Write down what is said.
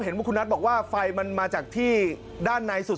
ว่าคุณนัทบอกว่าไฟมันมาจากที่ด้านในสุด